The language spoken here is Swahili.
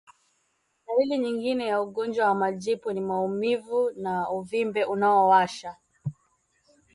Dalili nyingine ya ugonjwa wa majipu ni Maumivu na uvimbe unaowasha